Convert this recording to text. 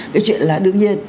cái chuyện là đương nhiên